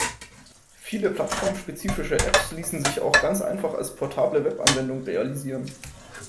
Viele plattformspezifische Apps ließen sich auch ganz einfach als portable Webanwendung realisieren.